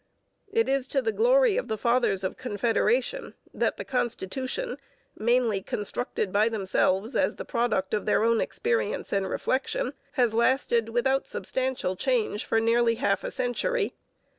It is to the glory of the Fathers of Confederation that the constitution, mainly constructed by themselves as the product of their own experience and reflection, has lasted without substantial change for nearly half a century.